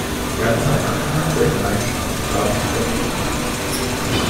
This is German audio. Ganz am Anfang der Gemeinschaft gab es auch Bedenken.